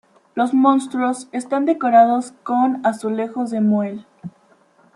Los muros están decorados con azulejos de Muel.